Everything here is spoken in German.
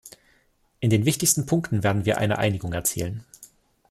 In den wichtigsten Punkten werden wir eine Einigung erzielen.